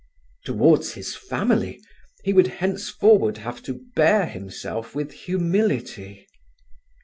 Towards his family he would henceforward have to bear himself with humility.